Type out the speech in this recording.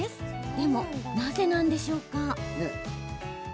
でも、なぜなんでしょうか？